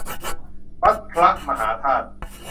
วัดพระมหาธาตุ